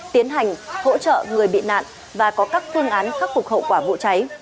tiến hành hỗ trợ người bị nạn và có các phương án khắc phục hậu quả vụ cháy